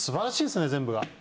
全部が？